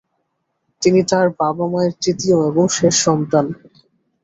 তিনি তারা বাবা-মায়ের তৃতীয় এবং শেষ সন্তান।